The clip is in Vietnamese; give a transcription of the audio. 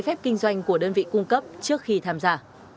phép kinh doanh của đơn vị cung cấp trước khi tham gia